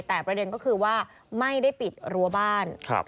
แต่ประเด็นก็คือว่าไม่ได้ปิดรั้วบ้าน